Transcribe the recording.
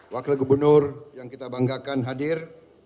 wakil gubernur yang kita banggakan hadir